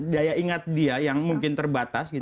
daya ingat dia yang mungkin terbatas